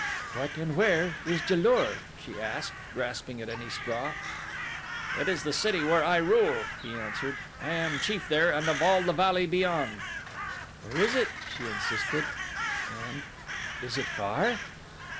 "What and where is Ja lur?" she asked, grasping at any straw. "It is the city where I rule," he answered. "I am chief there and of all the valley beyond." "Where is it?" she insisted, and "is it far?"